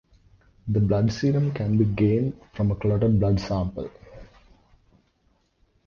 The blood serum can be gained from a clotted blood sample.